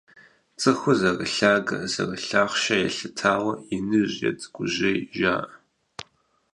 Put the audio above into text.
ЦӀыхур зэрылъагэ-зэрылъахъшэ елъытауэ «иныжь» е «цӀыкӀужьей» жаӀэ.